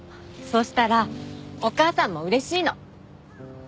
そしたらお母さんも嬉しいの。